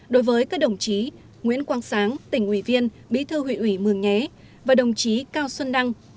đối với các đồng chí nguyễn quang sáng tỉnh ủy viên bí thư huyện ủy mường nhé và đồng chí cao xuân đăng